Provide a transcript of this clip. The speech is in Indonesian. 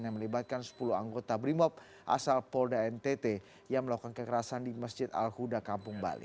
yang melibatkan sepuluh anggota brimob asal polda ntt yang melakukan kekerasan di masjid al huda kampung bali